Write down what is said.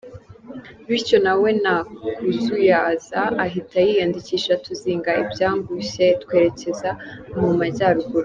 Bityo nawe nta kuzuyaza ahita yiyandikisha tuzinga ibyangushye twerekeza mu majyaruguru.